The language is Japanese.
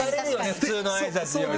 普通のあいさつより。